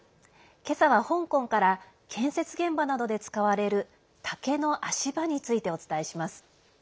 今朝は香港から建設現場などで使われる竹の足場についてお伝えします。